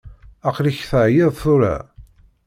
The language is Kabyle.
Aql-ik teɛyiḍ tura?